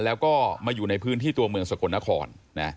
แล้วก็มาอยู่ในพื้นที่ตัวเมืองสกลนคร